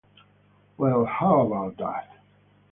'Well how about that?